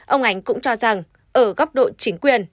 ông ánh cũng cho rằng ở góc độ chính quyền